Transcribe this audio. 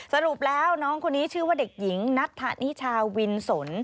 สรุปแล้วน้องคนนี้ชื่อว่าเด็กหญิงนัทธนิชาวินสน